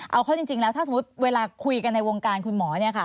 เอาเข้าจริงแล้วถ้าสมมุติเวลาคุยกันในวงการคุณหมอ